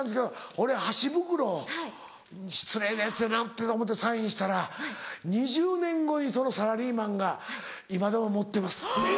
俺箸袋失礼なヤツやな思うてサインしたら２０年後にそのサラリーマンが「今でも持ってます」。